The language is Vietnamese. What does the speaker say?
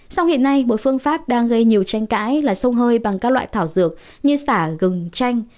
sông hiện nay một phương pháp đang gây nhiều tranh cãi là sông hơi bằng các loại thảo dược như xả gừng tranh